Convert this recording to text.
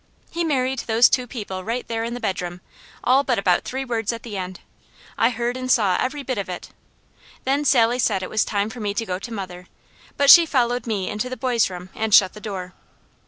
He married those two people right there in the bedroom, all but about three words at the end. I heard and saw every bit of it. Then Sally said it was time for me to go to mother, but she followed me into the boys' room and shut the door.